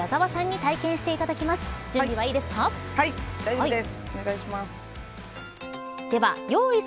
大丈夫です。